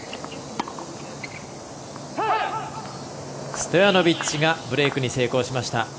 ストヤノビッチがブレークに成功しました。